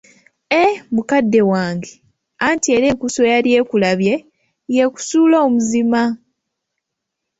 Eeee! mukadde wange, anti era enkusu eyali ekulabye, y'ekusuula omuzima.